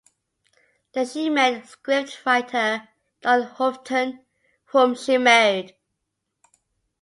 There she met scriptwriter Don Houghton, whom she married.